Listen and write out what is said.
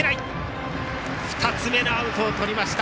２つ目のアウトをとりました。